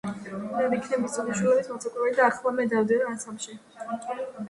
მე ვიქნები სუხიშვილების მოცეკვავე და ახლა მე დავდივარ ანსამბლში.